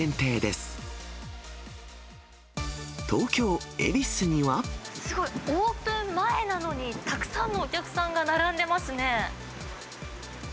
すごい、オープン前なのに、たくさんのお客さんが並んでますね。